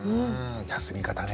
休み方ね。